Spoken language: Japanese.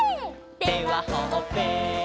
「手はほっぺ」